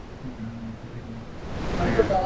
নিন, আমি সাথে এক্সট্রা কপি রাখি।